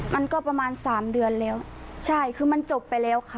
มันก็ประมาณสามเดือนแล้วใช่คือมันจบไปแล้วค่ะ